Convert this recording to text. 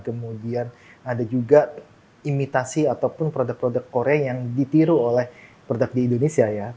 kemudian ada juga imitasi ataupun produk produk korea yang ditiru oleh produk di indonesia ya